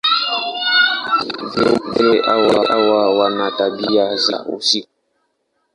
Viumbe hawa wana tabia za usiku.